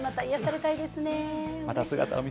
また癒やされたいですね。